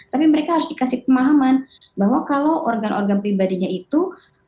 tapi mereka harus dikasih pemahaman bahwa kalau organ organ pribadinya itu